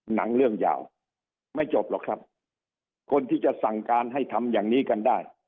หนังเรื่องยาวไม่จบหรอกครับคนที่จะสั่งการให้ทำอย่างนี้กันได้